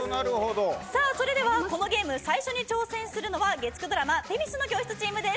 それではこのゲーム最初に挑戦するのは月９ドラマ女神の教室チームです。